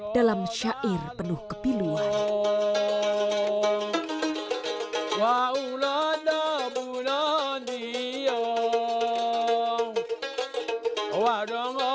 dan penuh kepiluan